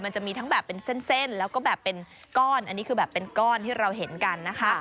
มันจะมีทั้งแบบเป็นเส้นแล้วก็แบบเป็นก้อนอันนี้คือแบบเป็นก้อนที่เราเห็นกันนะคะ